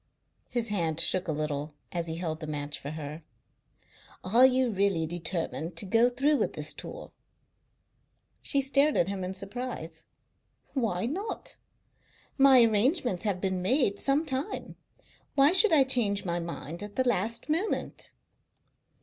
His hand shook a little as he held the match for her. "Are you really determined to go through with this tour?" She stared at him in surprise. "Why not? My arrangements have been made some time. Why should I change my mind at the last moment?"